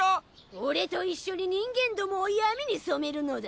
俺と一緒に人間どもを闇に染めるのだ！